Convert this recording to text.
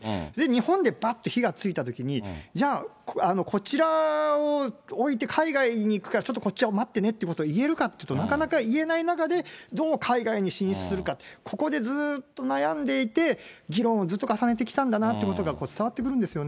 日本でばっと火がついたときに、じゃあ、こちらを置いて、海外に行くから、ちょっとこっちは待ってねということを言えるかっていうと、なかなか言えない中で、どう海外に進出するか、ここでずっと悩んでいて、議論をずっと重ねてきたんだなってことが、伝わってくるんですよ